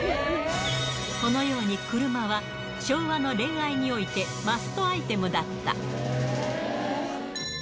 このように、車は昭和の恋愛においてマストアイテムだった。